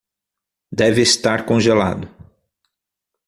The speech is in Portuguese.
Deve estar congelado.